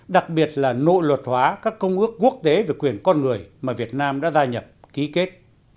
đặc biệt là nội luật hóa các công ước quốc tế về quyền con người mà việt nam đã gia nhập ký kết